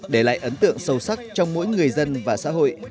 để lại ấn tượng sâu sắc trong mỗi người dân và xã hội